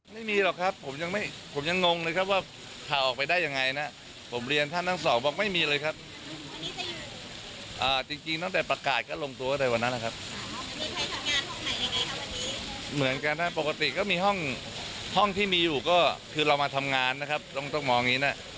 เหมือนกันนะปกติก็มีห้องที่มีอยู่ก็คือเรามาทำงานนะครับต้องต้องมองอย่างนี้นะ